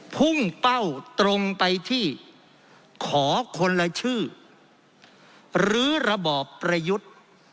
พุ่งเป้าตรงไปที่ขอคนละชื่อหรือระบอบประยุทธ์